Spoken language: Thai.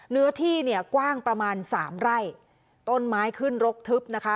เนื้อที่เนี่ยกว้างประมาณสามไร่ต้นไม้ขึ้นรกทึบนะคะ